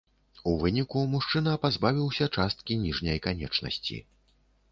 У выніку мужчына пазбавіўся часткі ніжняй канечнасці.